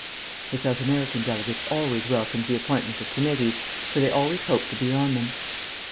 (The South American delegates always welcomed the appointment of committees, for they always hoped to be on them.)